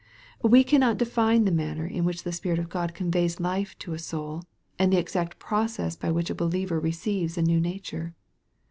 We cannot define the manner in which the Spirit of God conveys life to a soul, and the exact process by which a believer receives a new nature.